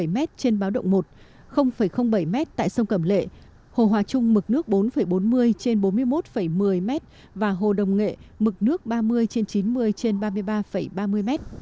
bảy m trên báo động một bảy m tại sông cẩm lệ hồ hòa trung mực nước bốn bốn mươi trên bốn mươi một một mươi m và hồ đồng nghệ mức nước ba mươi trên chín mươi trên ba mươi ba ba mươi m